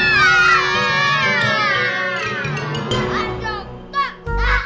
nanti aku ganti nama kalian